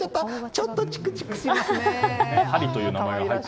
ちょっとチクチクしますね。